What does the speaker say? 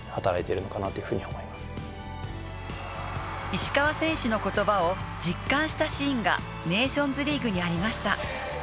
石川選手の言葉を実感したシーンがネーションズリーグにありました。